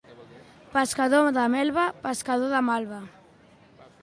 Pescador de melva, pescador de malva.